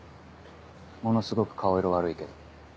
ものすごく顔色悪いけど。